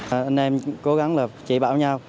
anh em cố gắng chỉ bảo nhau